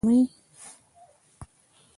• ته د امیدونو نغمه یې.